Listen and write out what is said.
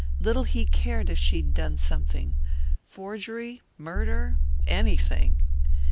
Little he cared if she'd done something forgery, murder, anything.